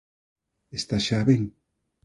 Estás xa ben?